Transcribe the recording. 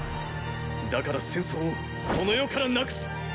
だから戦争をこの世から無くす！